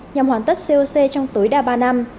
nhằm hoàn tất coc trong tối đa ba năm